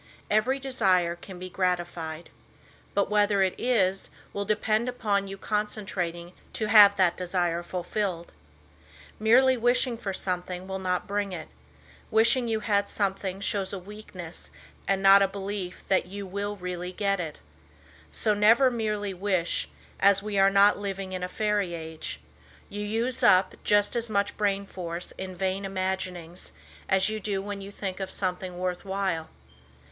Every desire can be gratified. But whether it is, will depend upon you concentrating to have that desire fulfilled. Merely wishing for something will not bring it. Wishing you had something shows a weakness and not a belief that you will really get it. So never merely wish, as we are not living in a "fairy age." You use up just as much brain force in "vain imaginings" as you do when you think of something worth while.